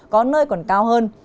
có nơi còn cao hơn